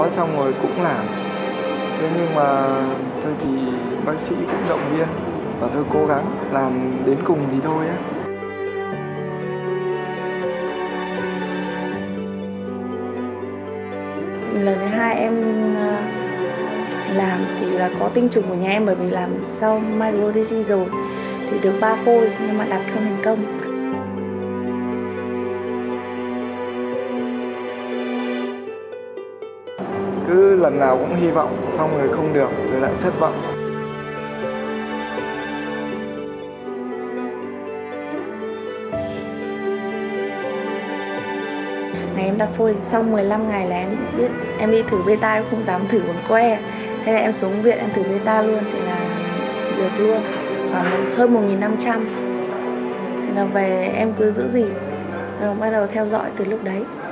thế là về em cứ giữ gì rồi bắt đầu theo dõi từ lúc đấy